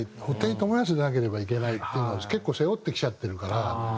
布袋寅泰でなければいけないっていうのを結構背負ってきちゃってるから。